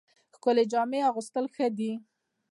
ښکلې جامې اغوستل ښه دي